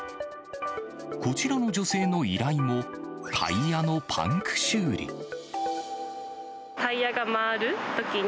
こちらの女性の依頼も、タイヤのタイヤが回るときに、